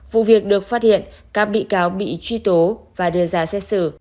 vụ việc được phát hiện các bị cáo bị truy tố và đưa ra xét xử